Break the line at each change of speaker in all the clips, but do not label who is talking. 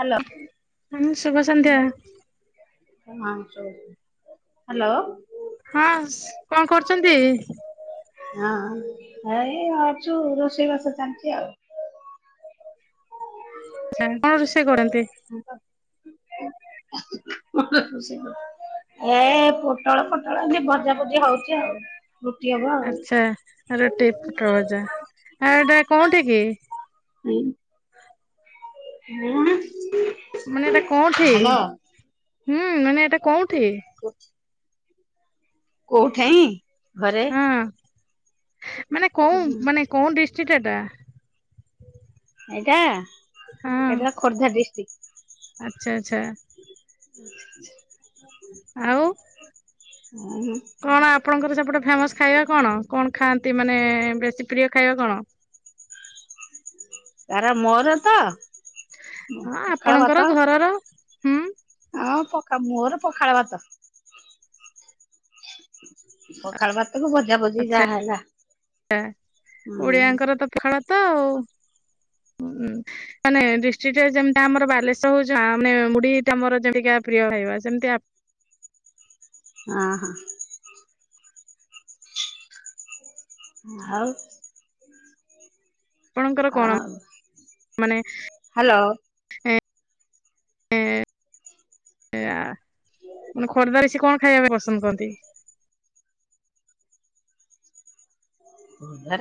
Hello.
[unintelligible] ଶୁଭ ସନ୍ଧ୍ୟା।
[unintelligible] Hello.
ହଁ କଣ କରୁଚନ୍ତି?
ହଁ ଏଇ ଅଛୁ ରୋଷେଇବାସ ଚାଲିଚି ଆଉ।
[unintelligible] କଣ ରୋଷେଇ କରନ୍ତି।
[inaudible] ଏ ପୋଟଳ ଫୋଟଳ କି ଭଜା ଫଜି ହଉଚି ଆଉ। ରୁଟି ହବ। ଆଉ
ଆଚ୍ଛା ରୁଟି ପୁଟଳ ଭଜା ଆଟା କୋଉଠି କି?
ହୁଁ। [inaudible]
ମାନେ ଏଇଟା କୋଉଠି
ହ୍ୟାଲୋ।
ହୁଁ ମାନେ ଏଇଟା କୋଉଠି?
[inaudible] କୋଉଠାଇଁ ଘରେ।
ହଁ ମାନେ କଁଉ ମାନେ କୋଉ ଡିଷ୍ଟ୍ରିକ ଏଟା?
ଏଟା ଏଟା ଖୋର୍ଦ୍ଧା ଡିଷ୍ଟ୍ରିକ।
ଆଚ୍ଛା-ଆଚ୍ଛା।
ହଁ
ଆଉ
[inaudible]
କଣ ଆପଣଙ୍କର ସେପଟେ ଫେମସ୍ ଖାଇବା କଣ କଣ ଖାଆନ୍ତି ମାନେ ବେଶୀ ପ୍ରିୟ ଖାଇବା କଣ?
କାର ମୋର ତ
ହଁ
ପଖାଳ
ଆପଣଙ୍କର
ଭାତ।
ଘରର ହୁଁ
ହଁ ପଖା ମୋର ପଖାଳ ଭାତ। ପଖାଳ ଭାତକୁ ଭଜା ଭଜିି
ଆଚ୍ଛା
ଯାହା ହେଲା ହୁଁ।
ଓଡିଆଙ୍କର ତ ପଖାଳ ତ ଆଉ ଉଁ। ମାନେ ଡିଷ୍ଟ୍ରିକ୍ଟରେ ଯେମିତି ଆମର ବାଲେଶ୍ଵର ହଉଚି ମାନେ ମୁଢିଟା ଆମର ଯେମିତିକା ପ୍ରିୟ ଖାଇବା ସେମିତି ଆ
ଅ ହଁ। ହଉ।
ଆପଣଙ୍କର କଣ
ଆଉ
ମାନେ
ହ୍ୟାଲୋ
[unintelligible] [unintelligible] ମାନେ ଖୋର୍ଦ୍ଧାରେ ସିଏ କଣ ଖାଇବା ପାଇଁ ପସନ୍ଦ କରନ୍ତି?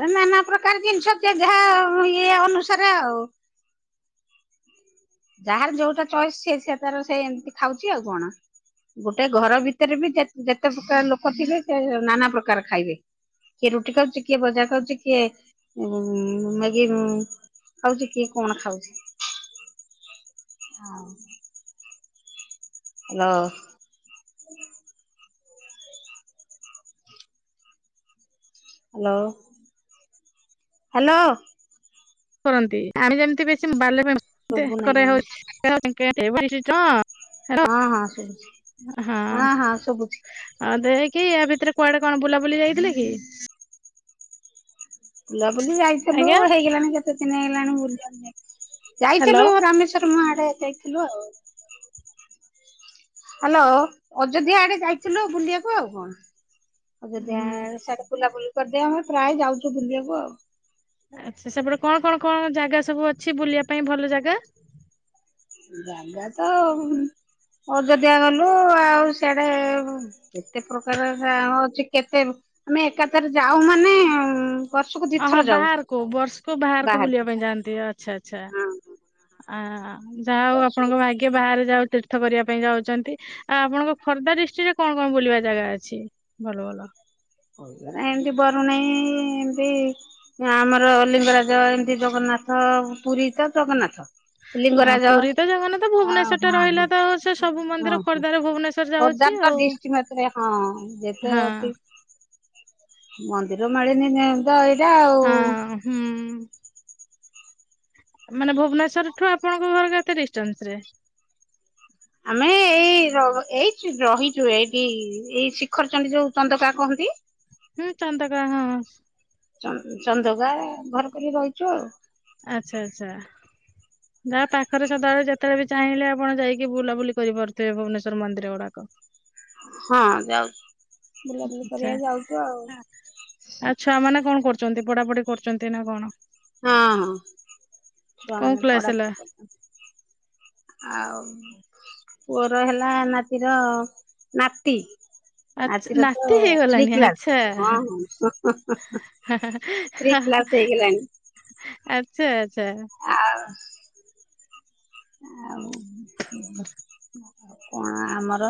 ରେ ନାନା ପ୍ରକାର ଜିନିଷ କିଏ ଯାହା ଇଏ ଅନୁସାରେ ଆଉ। ଯାହାର ଯୋଉଟା ଚଏସ୍ ସେ-ସେ ତାର ସେ ଏମିତି ଖାଉଚି ଆଉ କଣ। ଗୋଟେ ଘର ଭିତରେ ବି ଯେତେ ପ୍ରକାର ଲୋକ ଥିବେ ସେ ନାନା ପ୍ରକାର ଖାଇବେ କିଏ ରୁଟି ଖାଉଚି କିଏ ଭଜା ଖାଉଚି କିଏ ମେଗି ଖାଉଛି କିଏ କଣ ଖାଉଛି। ହଁ। ହାଲୋ। ହାଲୋ।
କରନ୍ତି ଆମେ ଯେମିତି ବେଶୀ
ଶୁଭୁ ନାହିଁ କଣ
ହଁ।
ହଁ ହଁ ସୁବୁଛି ହଁ ହଁ ସୁବୁଛି।
ହଁ ଦେଇକି ୟା ଭିତରେ କୁଆଡେ କଣ ବୁଲାବୁଲି ଯାଇଥିଲେ କି।
ବୁଲାବୁଲି ଯାଇଥିଲୁ
ଆଜ୍ଞା
ହେଇଗଲାଣି କେତେ ଦିନି ହେଇଗଲାଣି ବୁଲିିବାକୁ
ହ୍ୟାଲୋ।
ଯାଇଥିଲୁ ରାମେଶ୍ୱର। ରାମ ଆଡ଼େ ଯାଇଥିଲୁ ଆଉ। ହ୍ୟାଲୋ। ଅଯୋଧ୍ୟା ଆଡେ ଯାଇଥିଲୁ ବୁଲିବାକୁ। ଅଯୋଧ୍ୟା
ହୁଁ
ଆଡ଼େ ସିଆଡ଼େ ବୁଲାବୁଲି କରିଦେଇ ଆମେ ପ୍ରାୟ ଯାଉଛୁ ବୁଲିବାକୁ ଆଉ।
ଆଚ୍ଛା ସେପଟେ କଣ କଣ କଣ ଜାଗା ସବୁ ଅଛି ବୁଲିବା ପାଇଁ ଭଲ ଜାଗା।
ଜାଗା ତ ଅଯୋଧ୍ୟା ଗଲୁ ଆଉ ସେଆଡେ। କେତେ ପ୍ରକାର ଅଛି କେତେ ଆମେ ଏକାଥରେ ଯାଉ ମାନେ। ବର୍ଷକୁ
ହଁ
ଦିଥର
ହଁ
ଯାଉ
ବାହାରକୁ ବର୍ଷକୁ ବାହାରକୁ ବୁଲିବା ପାଇଁ ଯାଆନ୍ତି ଆଚ୍ଛା ଆଛା।
ହଁ
ଯାହା ହଉ
ବର୍ଷକୁ
ଆପଣଙ୍କ ଭାଗ୍ୟ ବାହାରେଯାହା ହଉ ତୀର୍ଥ କରିବା ପାଇଁ ଯାଉଛନ୍ତି। ଆ ଆପଣଙ୍କ ଖୋର୍ଦ୍ଧା ଡିଷ୍ଟ୍ରିକ୍ଟ ରେ କଣ କଣ ବୁଲିବା ଜାଗା ଅଛି। ଭଲ ଭଲ।
ଏମତି ବରୁଣେଇ ଏମତି। ଆମର ଲିଙ୍ଗରାଜ ଏମିତି ଜଗନ୍ନାଥ ପୁରୀ ତ ଜଗନ୍ନାଥ।
ଆ
ଲିଙ୍ଗରାଜ।
ପୁରୀ ତ ଜଗନ୍ନାଥ
ଅଁ
ଭୁବନେଶ୍ୱର ଟା ରହିଲା
ହଁ
ତ ସେ ସବୁ ମନ୍ଦିର
ହ ହ।
ଖୋର୍ଦ୍ଧାରେ ଭୁବନେଶ୍ୱର ଯାଉଛି
ଖୋର୍ଦ୍ଧାଙ୍କ
ଆଉ।
ଡିଷ୍ଟ୍ରିକ୍ମଟରେ ହଁ ଯେତେ
ହଁ
ଅଛି। ମନ୍ଦିର ମାଳିନି ତ ଏଇଟା ଆଉ।
ହଁ ହୁଁ। ମାନେ ଭୁବନେଶ୍ୱର ଠୁ ଆପଣଙ୍କ ଘର କେତେ ଡିଷ୍ଟାନ୍ସରେ।
ଆମେ ଏଇ। ଏଇ ଏଇ ରହିଲୁ ଏଇଠି ଏଇ ଶିଖର ଚଣ୍ଡୀ ଯୋଉ ଚନ୍ଦକାା କହନ୍ତି।
ହୁଁ ଚନ୍ଦକା ହଁ।
ଚନ୍ଦକା ଘର କରି ରହିଛୁ ଆଉ।
ଆଛା ଆଚ୍ଛା। ଯାହା ପାଖରେ ସଦାବେଳେ ଯେତେବେଳେ ବି ଚାହିଁଲେ ଆପଣ ଯାଇକି ବୁଲାବୁଲି କରିପାରୁଥିବେ ଭୁବନେଶ୍ୱର ମନ୍ଦିର ଗୁଡାକ।
ହଁ ଯାଉଛି ବୁଲାବୁଲି
ଆଚ୍ଛା।
କରିବା ଯାଉଛୁ ଆଉ।
ଛୁଆମାନେ କଣ କରୁଛନ୍ତି। ପଢାପଢି କରୁଛନ୍ତି ନା କଣ।
ହଁ ହଁ
କୋଉ
ଛୁଆମାନେେ
କ୍ଲାସ ହେଲା?
ପଢାପଢି କର ଆଉ। ପୁଅର ହେଲା ନାତିର ନାତି।
ଆଚ୍ଛା
ଆଦିର ତ
ନାତି
ଥ୍ରୀ
ହେଇଗଲାଣି ଆଚ୍ଛା।
କ୍ଲାସ। ହଁ ହଁ ହଁ। ଥ୍ରୀ କ୍ଲାସ ହେଇଗଲାଣି।
ଆଛା ଆଛା।
ଆଉ। ଆଉ କଣ ଆମର।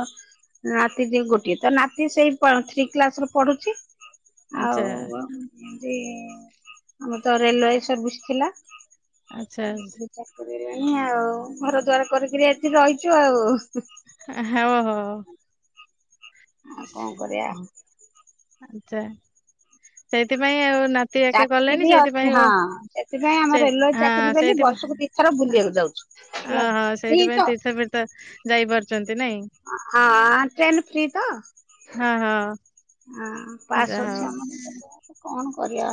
ନାତି ଟିଏ ଗୋଟିଏ ତ ନାତି ସେଇ ଥ୍ରୀ କ୍ଲାସ ରେ ପଢ଼ୁଛି।
ଆଚ୍ଛା।
ଆଉ ଯେମତି ଆମର ତ ରେଲୱ ସର୍ଭିସ ଥିଲା।
ଆଚ୍ଛା
ଚାକରି ନାହିଁ ଆଉ ଘର ଦ୍ୱାର କରିକିରି ଏଠିରହିଛୁ ଆଉ।
ହଉ ଆଉ।
ଆଉ କଣ କରିବା।
ଆଛା ସେଇଥିପାଇଁ ଆଉ। କେହି ଏକା କଲେଣିି
ଚାକିରି ଅଛି
ସେଇଥିପାଇଁ ଓ।
ହଁ ସେଥିପାଇଁ ଆମ
ସେ
ରେଲୱେ
ହଁ
ଚାକିରି ବୋଲି ବର୍ଷକୁ ଦିଥର
ସେଇଥିପାଇଁ।
ବୁଲିବାକୁ ଯାଉଛୁ ହେଲା।
ଓହୋ
ଫ୍ରି ତ
ସେଇଥିପାଇଁ ତୀର୍ଥ ଫୀର୍ଥ ଯାଇ ପାରୁଛନ୍ତି ନାଇଁ।
ହଁ ଟ୍ରେନ୍ ଫ୍ରି ତ।
ହଁ ହଁ
ହଁ ପାସ୍
ଯାହା
ଅଛି
ହଉ
ଆମର କଣ କରିବା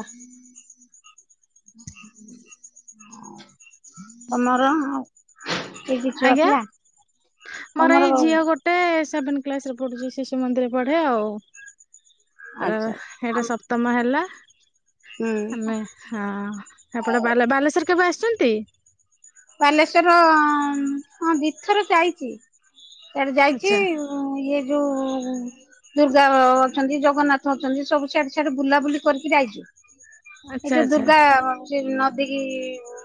ତମର ଆଉ କି କି ଛୁଆ
ଆଜ୍ଞା
ପିଲା
ମୋର ଏଇ
ତମର
ଝିଅ ଗୋଟେ ସେଭେନ କ୍ସରେ ପଢୁଛି ଶିଶୁ ମନ୍ଦିର ପଢେ ଆଉ। ତାର
ଆଚ୍ଛା
ଏଇଟା
ହୁଁ।
ସପ୍ତମ ହେଲା। ଆମେ ହଁ ଏପଣ ବା ବାଲେଶ୍ଵର କେବେ ଆସୁଛନ୍ତି?
ବାଲେଶ୍ଵର ହଁ ଦିଥର ଯାଇଛି ସେଟ ଯାଇଛି
ଆଚ୍ଛା
ହ ଇଏ ଯୋଉ ଦୁର୍ଗା ଅଛନ୍ତି ଜଗନ୍ନାଥ ଅଛନ୍ତି ସବୁ ସିଆଡେ ସିଆଡେ ବୁଲାବୁଲି କରିକି ଯାଇଛୁ ଏଇ
ଆଚ୍ଛା
ଯୋଉ
ଆଚ୍ଛା
ଦୁର୍ଗା ସେ ନଦୀକି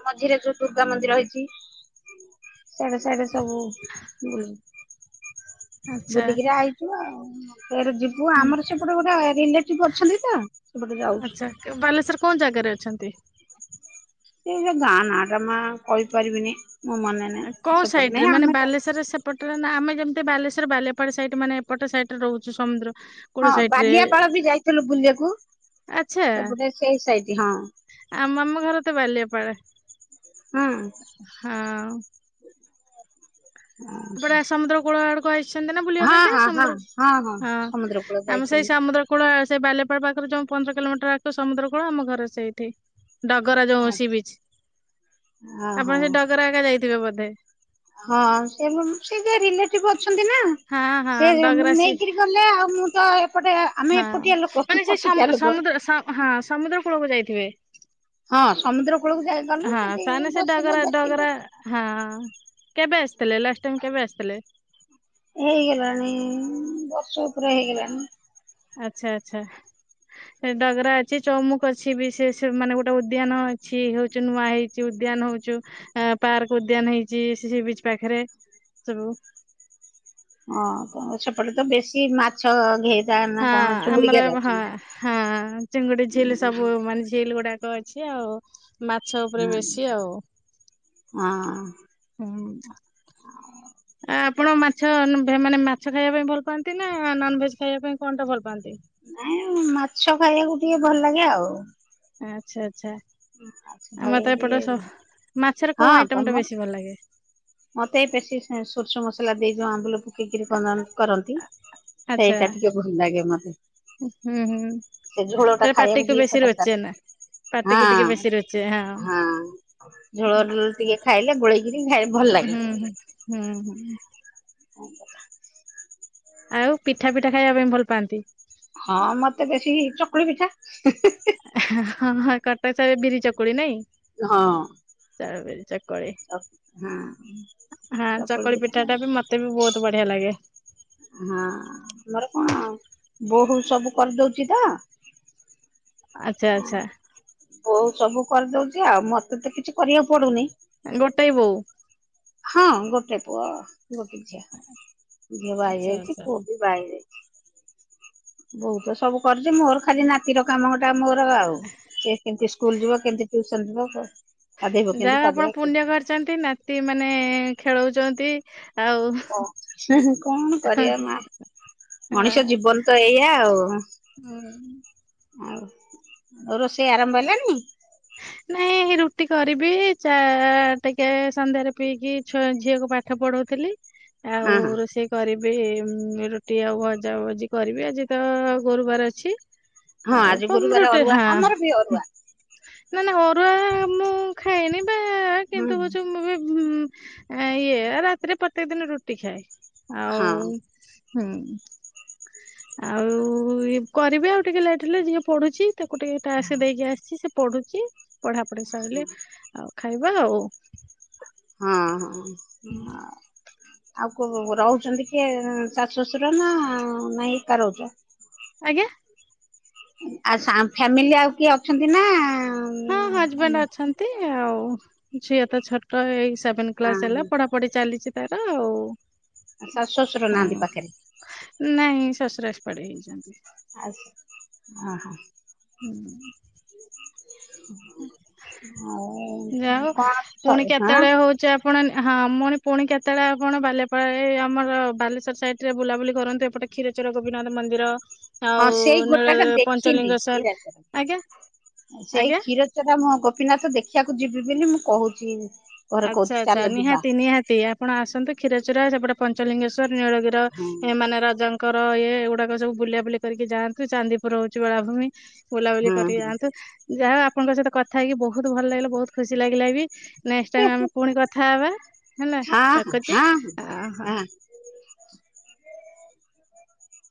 ମଝିରେ ଯୋଉ ଦୁର୍ଗା ମନ୍ଦିର ଏଇ ସାଡେ ସାଡେ ସବୁୁ ବୁଲି
ଆଚ୍ଛା।
ବୁଲିକିରି ଆଇଛୁ ଆଉ ପରେ ଯିବୁ ମୁ
ହୁଁ
ଆମର ସେପଟେ ଗୋଟେ ରିଲେଟିଭ ଅଛନ୍ତି ତ ସେପଟେ ଯାଉଛି
ବାଲେସ୍ୱର କଉ ଜାଗାରେ ଅଛନ୍ତି।
ସେ ଯୋଉ ଗାଁ ନାଟା ମା କହିପାରିବିନି ମୋ ମନେ ନାଇ ସେପଟ ନାଇଁ ଆମେ ତ
ଏପଟରେ ନା ଆମେ ଯେମିତି ବାଲେଶ୍ଵର ବାଲିପାଡ ସାଇଡ ମାନେ ଏପଟ ସାଇଡ ରେ ରହୁଛୁ ସମୁଦ୍ର କୂଳ
ହଁ
ସାଇଡ ରେ
ବାଲିଆପାଳ ବି ଯାଇଥିଲୁ ବୁଲିବାକୁ
ଆଚ୍ଛା
ସେପଟେ ସେଇ ସାଇଡ ହଁ
ଆମ ଆମ ଘର ତ ବାଲିଆ ପାଡେ
ହଁ
ଏପଟେ ସମୁଦ୍ର କୂଳ ଆଡକୁ ଆସିଛନ୍ତି ନା ବୁଲିବା
ହଁ
ପାଇଁ କେ
ହଁ ହଁ
ସମୁଦ୍ର ହଁ
ସମୁଦ୍ର କୂଳ
ଆମେ ସେଇ
ଯାଇଥିଲୁ।
ସମୁଦ୍ର କୂଳ ସେ ବାଲପାଳ ପାଖରେ ଯୋଉ ପନ୍ଦର କିଲୋମିଟର ଆଖ ସମୁଦ୍ର କୂଳ ଆମ ଘରେ ସେଇଠି। ଡଗରା ଯୋଉ ସ ବିଚ
ଓହୋ
ଆପଣ ସେ ଡଗରା ଏକା ଯାଇଥିବେ ବୋଧେ।
ହଁ ସେ ସେ ଯ ରିଲେଟିଭ ଅଛନ୍ତି ନା।
ହଁ ହଁ
ସେ
ଡଗରା ସି
ନେଇକରି ଗଲେ ଆଉ ମୁଁ ତ ଏପଟେ ଆମେ
ହଁ
ଏପଟଆ ଲୋକ
ମାନେ ସେଇ
କଟକିଆ
ସମ
ଲୋକ।
ସମୁଦ୍ର ସମ ହଁ ସମୁଦ୍ର କୂଳକୁ ଯାଇଥିବେ
ହଁ ସମୁଦ୍ର କୂଳକୁ ଯାଇ ଗଲୁ
ହଁ
ସେଠି
ତାହେନ ସେ
ବସିଲୁ
ଡଗରା
ଦେଖିଲୁ।
ଡୋଗରା ହଁ କେବେ ଆସିଥିଲେ ଲାଷ୍ଟ ଟାଇମ କେବେ ଆସିଥିଲେ?
ହେଇଗଲାଣି ବର୍ଷ ଉପରେ ହେଇଗଲାଣି।
ଆଚ୍ଛା ଆଛା। ଡଗରା ଅଛି ଚମୁକ ଅଛି ବି ସେ ମାନେ ଗୋଟେ ଉଦ୍ୟାନ ଅଛି ହଉଛି ନୂଆ ହେଈ ଉଦ୍ୟାନ ହଉଚୁ ପାର୍କ ଉଦ୍ୟାନ ହେଇଛି ସେ ବିଚ ପାଖରେ ସବୁ
ହଁ ସେପଟେ ତ ବେଶୀ ମାଛ ଘେ
ହଁ ଆମର ହଁ ହଁ ଚିଙ୍ଗୁଡି ଝିଲ ସବୁ
ହଁ
ମାନେ ଝିଲ ଗୁଡାକ ଅ ଅଛୁ ଆଉ ମାଛ ଉପରେ
ହଁ
ବେଶୀ ଆଉ
ହଁ
ହୁଁ ଆ ଆପଣ ମାଛ ମାନେ ମାଛ ଖାଇବା ପାଇଁ ଭଲ ପାଆନ୍ତି ନା ନନ ଭେଜ ଖାଇବା ପାଇଁ କଣ ଟା ଭଲ ପାଆନ୍ତି?
ନାଇଁ ମାଛ ଖାଇବାକୁ ଟିକେ ଭଲ ଲାଗେ ଆଉ
ଆଚ୍ଛା ଆଚଛା
ମାଛ ଖାଇବାକୁ
ଆମତେ
ଟିକେ
ଏପଟ ମାଛର କୋଉ
ହଁ
ଆଇଟମ ଟା
ତମର
ବେଶୀ ଭଲ ଲାଗେ?
ମତେ ବେଶୀ ସୋର୍ଷୁ ମସଲା ଦେଇଯଉ ଆମ୍ବଲ ପିକରି କରନ୍ତି
ଆଚ୍ଛା
ସେଇଟା ଟିକେ ଭଲ ଲାଗେ ମତେ।
ହୁଁ ହୁଁ
ସେ ଝୋଳ ଟା
ସେଟା
ଖାଇବା କୁ
ପାଟିକୁ
ଟିକେ
ବେଶୀ
ଖଟା ଖଟା
ରୋଚେ ନା ପାଟିକୁ ଟିକେ ବେଶୀ ରୋଚେ
ହଁ ହଁ ଝୋଳ ଟିକେ ଖାଇଲେ ଗୋଳେଇ ଖାଇ ଭଲ ଲାଗେ
ହୁଁ ହୁଁ ହୁଁ ହୁଁ
ହ
ଆଉ ପିଠା ପିଠା ଖାଇବା ପାଇଁ ଭଲ ପାଆନ୍ତି?
ହଁ ମତେ ବେଶୀ ଚକୁଳି ପିଠା।
ହଁ ହଁ କଟାସ ବିରି ଚକୁଳି ନାଇଁ।
ହଁ।
ଚା [unintelligible] ଚକୁଳି
ହଁ
ହଁ ଚକୁଳି
ପିଠା ହଁ
ପିଠାଟା ବି ମତ୍ ତେବି ବହୁତ ବଢିଆ ଲାଗେ।
ହଁ ଆମର କଣ ବୋହୂ ସବୁ କରିଦଉଚି ତ।
ଆଚ୍ଛା ଆଚ୍ଛା
ବୋଉ ସବୁ କରିଦଉଚି ଆଉ ମତେ ତ କିଛି କରିବାକୁ ପଡୁନି।
ଗୋଟାଏ ବୋଉ।
ହଁ ଗୋଟେ ପୁଅ ପୁଅ କି ଝିଅ ଝିଅ ବାହା
ଆଚ୍ଛା
ହେଇଯାଇଚି
ଆଚ୍ଛା
ପୁଅ ବି ବାହା ହେଇଯାଇ ବୋଉ ତ ସବୁ କରୁଚି ମୋର ଖାଲି ନାତ୍ [unintelligible] କାମଟା ମୋର ଆଉ ସେ କେମିତି ସ୍କୁଲ ଯିବ କେମିତି ଟ୍ୟୁସନ୍ ଯିବ। ଗାଧେଇବ କେମିତି
ଯାହା ଆପଣ
ପାଧେଇବ
ପୁଣ୍ୟ
କେମିତି,
କରିଚନ୍ତି ନାତି ମାନେ ଖେଳଉଚନ୍ତି।
କ ହୁଁ ହୁଁ କଣ କରିବା ମା। ମଣିଷ ଜୀବନ ତ ଏଇଆ ଆଉ। ଆଉ ରୋଷେଇ ଆରମ୍ଭ [unintelligible]
ନାଇଁ ରୁଟି କରିବି ଚା ଟିକେ ସନ୍ଧ୍ୟାରେ ପିଇକି ଛୁଆ ଝିଅକୁ ପା ଠ ପଢଉଥିଲି ଆଉ
ହଁ ହଁ
ରୋଷେଇ କରିବି ଉମ୍ ରୁଟି ଆଉ ଭଜାଭଜି କରିବି ଆଜି ତ ଗୁରୁବାରେ ଅଛି।
ହଁ
ଆଉ
ଆଜି ଗୁରୁବାରେ
ରୁଟି
ଅରୁଆ
ହଁ
ଆମର ବି ଅରୁଆ।
ନା ନା ଅରୁଆ ମୁଁ ଖାଇନି ବା
ହୁଁ
କିନ୍ତୁ କଉଛ ମୁଁ ବି ହୁଁ ଉମ୍ ଇଏ ରାତିରେ ପ୍ରତ୍ୟେକ ଦିନ ରୁଟି ଖାଏ ଆଉ
ହଁ
ହୁଁ ଆଉ କରିବି ଆଉ ଟିକେ ଲେଟ୍ ହେଲେ ଝିଅ ପଡ଼ୁଚି। ତକୁ ଟିକେ ଟାକ୍ସ ଦେଇକି ଆସିଚି ସେ ପଡୁଚି ପଢାପଢି ସରିଲେ ଆଉ ଖାଇବା ଆଉ।
ହଁ ହଁ। ଆଉ କୋଉ‌ ରହୁଚନ୍ତି କିଏ ଶାଶୁ ଶଶୁର ନା ନାଇଁ ଏକା ରଉଚ?
ଆଜ୍ଞା!
ଆଉ ଫ୍ୟା ଫ୍ୟାମିଲି ଆଉ କିଏ ଅଛନ୍ତି ନା?
ହଁ ହଜବେଣ୍ଡ ଅଛନ୍ତି ଆଉ ଝିଅ ତ ଛୋଟ ଏଇ ସେଭେନ୍ କ୍ଲାସ ହେଲା
ହଁ
ପଢା ପଡି ଚାଲିଚି ତାର ଆଉ।
ଶାଶୁ ଶ୍ୱଶୁର ନାହାନ୍ତି
ହୁଁ
ପାଖରେ?
ନାଇଁ ଶଶୁର [unintelligible] ହେଇଚନ୍ତି।
[unintelligible] ହଁ ହଁ।
ହୁଁ। ଯା
ଆଉ
ହଉ
କଣ
ପୁଣି
ସବୁ ହଁ
କେତେବେଳେ ହଉଚ ଆପ୍ ପଣ ହଁ [unintelligible] ପୁଣି କେତେବେଳେ ଆପଣ ବାଲପାଳ ଆମର ବାଲେଶ୍ୱର ସାଇଡ଼ରେ ବୁଲାବୁଲି କରନ୍ତୁ ଏପଟେ କ୍ଷୀରଚର ଗୋପିନାଥ ମନ୍ଦିର।
ହଁ
ଆଉ
ସେଇ
ନୀଳ
ଗୋଟାକ ଦେଖିନି
ପଞ୍ଚଲିଙ୍ଗେଶ୍ଵର
କ୍ଷୀରା
ଆଜ୍ଞା
ସେଇ
ଆଜ୍ଞା
କ୍ଷୀର ଚରା ମୁଁ ଗୋପୀନାଥ ଦେଖିବାକୁ ଯିବି ବୋଲି ମୁଁ କହୁଚି।
ଆଚ୍ଛା ଆଚ୍ଛା ନିହାତି ନିହାତି ଆ ଆପଣ ଆସନ୍ତୁ କ୍ଷୀରଚୋରା ସେପଟେ ପଞ୍ଚଲିଙ୍ଗେଶ୍ଵର, ନୀଳଗିର
ହଁ
ଏ ମାନେ ରଜାଙ୍କ ଙ୍କର ଇଏ ଏଗୁଡ଼ାକ ସବୁ ବୁଲାବୁଲି କରିକି ଯାଆନ୍ତୁ ଚାନ୍ଦିପୁର ହଉଚି ବେଳାଭୂମି। ବୁଲାବୁଲି
ହଁ
କରି ଆଆନ୍ତୁ। ଯାହା ଆପଣଙ୍କ ସହିତ କଥା ହେଇକି ବହୁତ୍ ଭଲ ଲାଗିଲା ବହୁତ୍ ଖୁସି ଲାଗିଲା ବି ନେ ମ ଆମେ
ହଁ
ପୁଣି କଥା ହବା ହେଲା
ହଁ ହଁ
ରକୁୁଛି
ହଁ
ଅହଁ
ହଁ